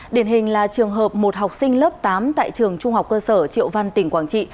điển hình là trường hợp một học sinh lớp tám tại trường trung học cơ sở triệu văn tỉnh quảng trị